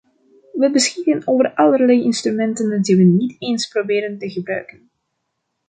We beschikken over allerlei instrumenten die we niet eens proberen te gebruiken.